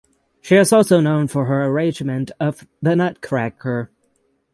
She is also known for her arrangement of "The Nutcracker".